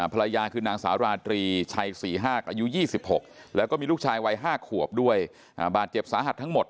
ภรรยาคือนางสาวราตรีชัยศรีฮากอายุ๒๖แล้วก็มีลูกชายวัย๕ขวบด้วยบาดเจ็บสาหัสทั้งหมด